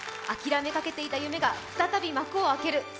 「諦めかけていた夢が再び幕を開ける」